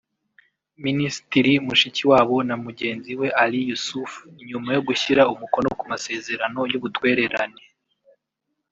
Minisitiri Mushikiwabo na mugenzi we Ali Youssouf nyuma yo gushyira umukono ku masezerano y’ubutwererane